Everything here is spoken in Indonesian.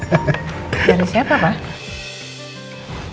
dari siapa pak